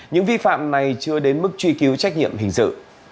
những vi phạm này chưa đến mức truy cứu trách nhiệm hình sự